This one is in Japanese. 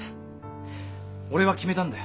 俺は決めたんだよ。